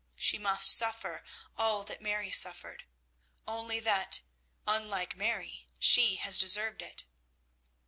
She must suffer all that Mary suffered, only that, unlike Mary, she has deserved it.